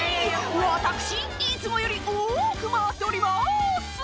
私、いつもより多く回っております。